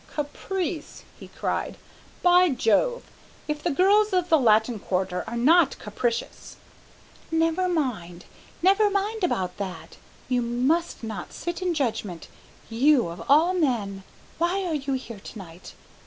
"Caprice!" he cried. "By Jove, if the girls of the Latin Quarter are not capricious " "Never mind, never mind about that! You must not sit in judgment you of all men. Why are you here to night?